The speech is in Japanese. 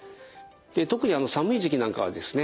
特に寒い時期なんかはですね